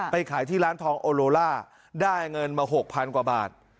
ขายที่ร้านทองโอโลล่าได้เงินมา๖๐๐๐กว่าบาท